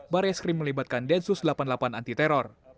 baris krim melibatkan densus delapan puluh delapan anti teror